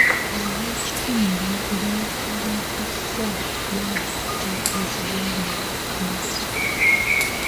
Ab'ekitundu beekaliriza pulojekiti ezigenda maaso.